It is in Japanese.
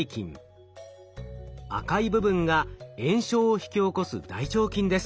赤い部分が炎症を引き起こす大腸菌です。